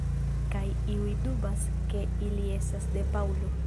Kaj iuj dubas ke ili estas de Paŭlo.